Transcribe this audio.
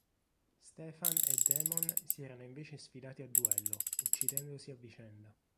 Stefan e Damon si erano invece sfidati a duello, uccidendosi a vicenda.